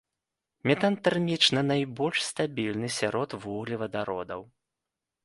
Метан тэрмічна найбольш стабільны сярод вуглевадародаў.